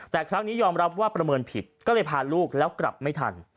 แต่ครั้งนี้ยอมรับว่าประเมินผิดก็เลยพาลูกแล้วกลับไม่ทัน